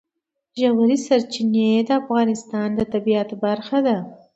ژورې سرچینې د افغانستان د طبیعت برخه ده.